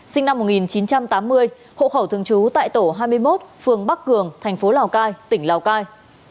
sinh năm một nghìn chín trăm tám mươi hộ khẩu thường trú tại tổ hai mươi một phường bắc cường thành phố lào cai tỉnh lào cai